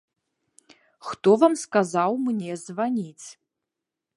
Хто вам сказаў мне званіць?